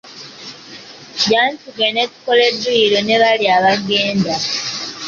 Jjangu tugende tukole dduyiro ne bali abagenda.